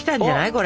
これ。